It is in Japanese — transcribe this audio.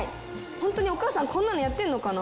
ホントにお母さんこんなのやってるのかな？